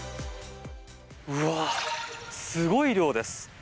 うわー、すごい量です。